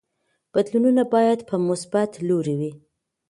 بدلونونه باید په مثبت لوري وي.